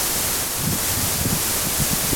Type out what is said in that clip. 火炬松为松科松属的植物。